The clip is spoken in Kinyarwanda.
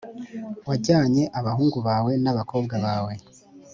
wajyanye abahungu bawe n’abakobwa bawe